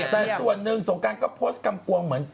แต่ส่วนหนึ่งสงการก็โพสต์กำกวงเหมือน